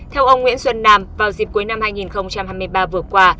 theo ông nguyễn xuân nam vào dịp cuối năm hai nghìn hai mươi ba vừa qua